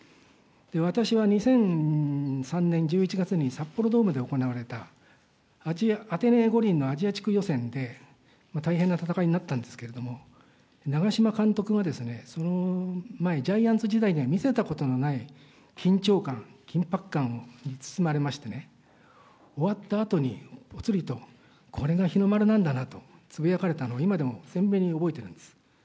私は２００３年１１月に札幌ドームで行われた、アテネ五輪のアジア地区予選で、大変な戦いになったんですけれども、長嶋監督がその前、ジャイアンツ時代には見せたことがない緊張感、緊迫感に包まれましてね、終わったあとにぽつりと、これが日の丸なんだなとつぶやかれたのを今でも鮮明に覚えているんです。